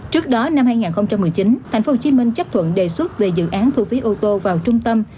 trước đó năm hai nghìn một mươi chín thành phố hồ chí minh chấp thuận đề xuất về dự án thu phí ô tô vào trung tâm